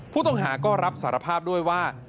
ผู้ต้องหาก็รับสารภาพด้วยว่า